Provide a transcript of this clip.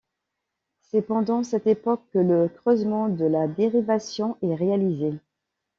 C'est pendant cette époque que le creusement de la Dérivation est réalisé.